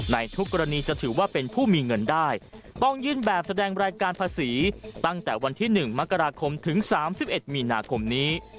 ในทุกกรณีจะถือว่าเป็นผู้มีเงินได้ต้องยื่นแบบแสดงรายการภาษีตั้งแต่วันที่๑มกราคมถึง๓๑มีนาคมนี้